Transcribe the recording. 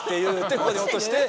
ここに落として。